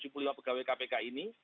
tujuh puluh lima pegawai kpk ini